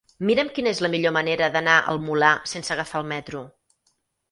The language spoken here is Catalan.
Mira'm quina és la millor manera d'anar al Molar sense agafar el metro.